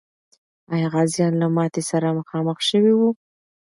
آیا غازیان له ماتي سره مخامخ سوي و؟